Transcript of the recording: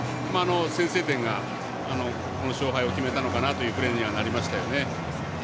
先制点がこの勝敗を決めたのかなというプレーになりましたよね。